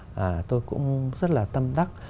là tôi rất là tâm đắc